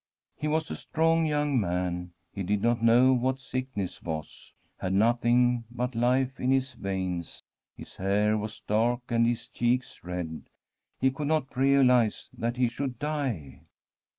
He was a strong young man ; he did not know what sickness was, had nothing but life in his veins. His hair was dark and his cheeks red. He could not realize that he should die.